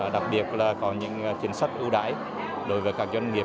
đặc biệt là có những chính sách ưu đãi đối với các doanh nghiệp